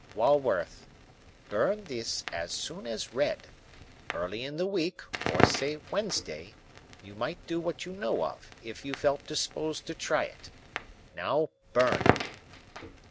"Walworth. Burn this as soon as read. Early in the week, or say Wednesday, you might do what you know of, if you felt disposed to try it. Now burn."